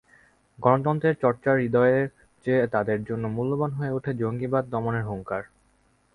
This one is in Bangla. গণতন্ত্রের চর্চার হূদয়ের চেয়ে তাদের জন্য মূল্যবান হয়ে ওঠে জঙ্গিবাদ দমনের হুংকার।